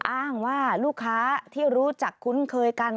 อ้างว่าลูกค้าที่รู้จักคุ้นเคยกัน